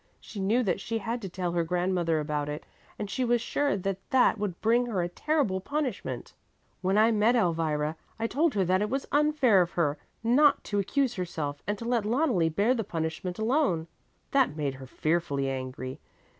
She knew that she had to tell her grandmother about it and she was sure that that would bring her a terrible punishment. When I met Elvira, I told her that it was unfair of her not to accuse herself and to let Loneli bear the punishment alone. That made her fearfully angry.